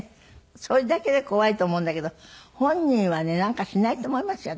それだけで怖いと思うんだけど本人はねなんかしないと思いますよ